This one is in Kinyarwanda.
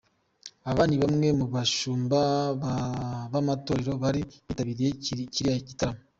Aba ni bamwe mu bashumba b’amatorero bari bitabiriye kirirya gitaramo.